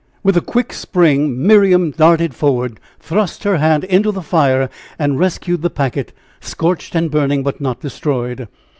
With a quick spring, Miriam darted forward, thrust her hand into the fire and rescued the packet, scorched and burning, but not destroyed.